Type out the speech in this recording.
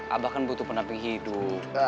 abah kan butuh pendamping hidup